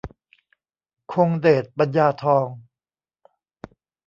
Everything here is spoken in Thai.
คงเดช ปัญญาทอง